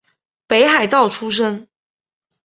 北海道出身。